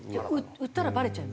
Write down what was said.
売ったらバレちゃいますね。